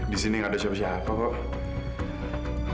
di sini gak ada siapa siapa kok